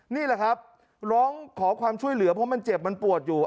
นี่แหละครับร้องขอความช่วยเหลือเพราะมันเจ็บมันปวดอยู่